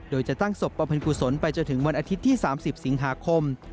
โดยจะตั้งศพประพันธ์กุศลไปจนถึงเมื่ออาทิตย์ที่๓๐สิงหาคม